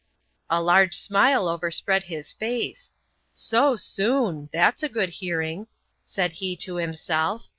A large smile overspread his face. "So soon! that's a good hearing," said he to himself.